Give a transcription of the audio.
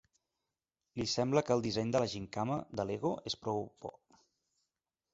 Li sembla que el disseny de la gimcana de L'Ego és prou bo.